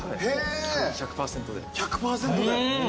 １００％で。